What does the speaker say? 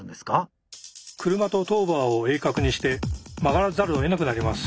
車とトーバーを鋭角にして曲がらざるをえなくなります。